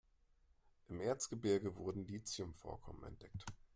Im Erzgebirge wurden Lithium-Vorkommen entdeckt.